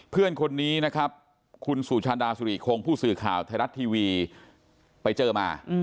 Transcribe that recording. เพื่อนคนนี้นะครับคุณสุชาดาสุริคงผู้สื่อข่าวไทยรัฐทีวีไปเจอมา